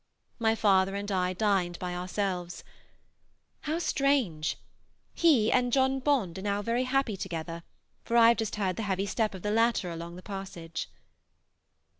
My father and I dined by ourselves. How strange! He and John Bond are now very happy together, for I have just heard the heavy step of the latter along the passage.